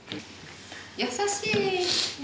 優しいね。